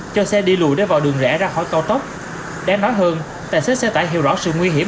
cho xe đi lùi để vào đường rẽ ra khỏi cao tốc đáng nói hơn tài xế xe tải hiểu rõ sự nguy hiểm